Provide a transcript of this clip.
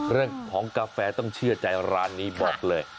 เรื่องของกาแฟต้องเชื่อใจร้านนี้บอกเลย